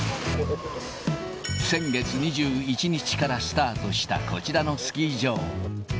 先月２１日からスタートしたこちらのスキー場。